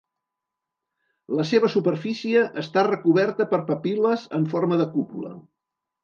La seva superfície està recoberta per papil·les en forma de cúpula.